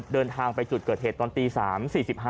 เดินทางไปจุดเกิดเหตุตอนตี๓๔๕